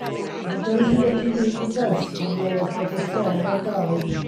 Nid oedd hi wedi mynd yn bell pan welodd bod y ffordd ar gau.